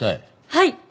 はい！